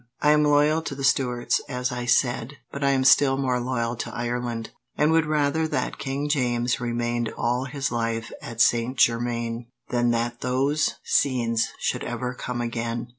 I am loyal to the Stuarts, as I said, but I am still more loyal to Ireland, and would rather that King James remained all his life at Saint Germain, than that those scenes should ever come again."